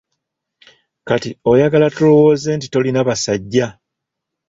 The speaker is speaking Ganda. Kati oyagala tulowooze nti tolina basajja?